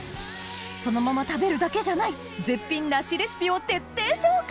そのまま食べるだけじゃない絶品梨レシピを徹底紹介